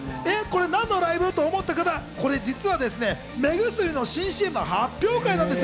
何のライブ？と思った方、実は目薬の新ＣＭの発表会なんです。